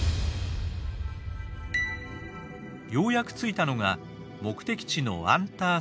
ようやく着いたのが目的地のアンターセー湖。